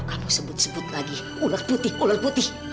kamu sebut sebut lagi ular putih ular putih